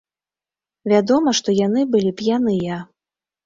Вядома, што яны былі п'яныя.